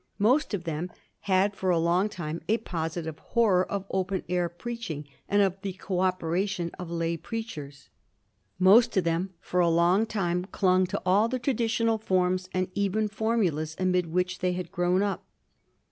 Most of them had for a long time a positive horror of open air preaching and of the co operation of lay preachers. Most of them for a long time clung to all the traditional forms and even formulas amid which they had grown up.